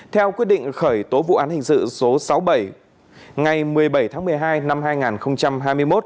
theo quyết định khởi tố vụ án hình sự số sáu mươi bảy ngày một mươi bảy tháng một mươi hai năm hai nghìn hai mươi một